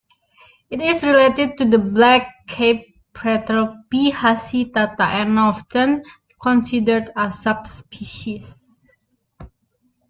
It is related to the black-capped petrel "P. hasitata", and often considered a subspecies.